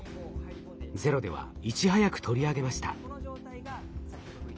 「ＺＥＲＯ」ではいち早く取り上げました。